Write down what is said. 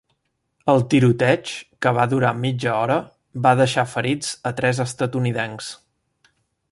El tiroteig, que va durar mitja hora, va deixar ferits a tres estatunidencs.